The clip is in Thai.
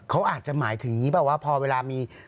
เขาอาจจะหมายถึงแบบว่าพอเวลามี